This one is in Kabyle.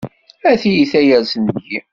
A tiyita yersen deg-i!